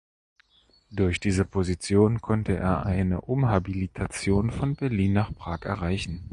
Durch diese Position konnte er eine Umhabilitation von Berlin nach Prag erreichen.